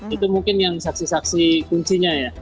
itu mungkin yang saksi saksi kuncinya ya